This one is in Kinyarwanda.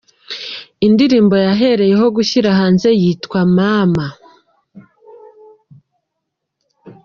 Indirimbo yahereyeho gushyira hanze yitwa Mama.